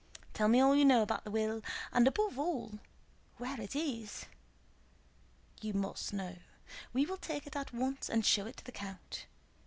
Tell me all you know about the will, and above all where it is. You must know. We will take it at once and show it to the count.